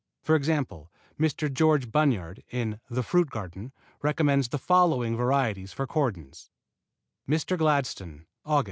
For example, Mr. George Bunyard in "The Fruit Garden" recommends the following varieties for cordons: Mr. Gladstone Aug.